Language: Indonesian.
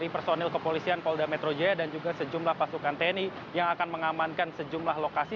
personil kepolisian polda metro jaya dan juga sejumlah pasukan tni yang akan mengamankan sejumlah lokasi